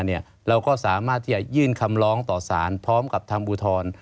เราก็สามารถที่จะยื่นคำร้องต่อสารพร้อมกับทางภูทร